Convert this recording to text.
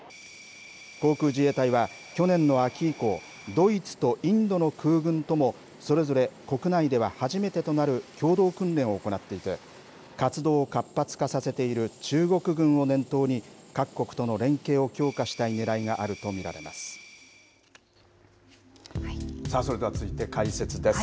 航空自衛隊は去年の秋以降ドイツとインドの空軍ともそれぞれ国内では初めてとなる共同訓練を行っていて活動を活発化させている中国軍を念頭に各国との連携を強化したいそれでは続いて解説です。